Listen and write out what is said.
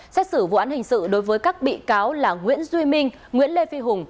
xét xử vụ án hình sự đối với các bị cáo là nguyễn duy minh nguyễn lê phi hùng